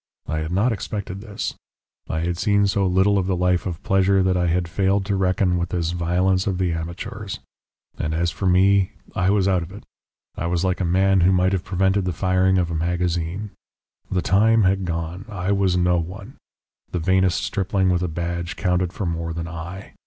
I had not expected this. I had seen so little of the life of pleasure that I had failed to reckon with this violence of the amateurs. And as for me, I was out of it. I was like a man who might have prevented the firing of a magazine. The time had gone. I was no one; the vainest stripling with a badge counted for more than I.